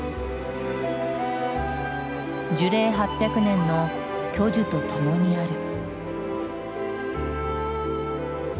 樹齢８００年の巨樹とともにある。